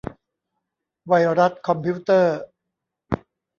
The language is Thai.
ไวรัสคอมพิวเตอร์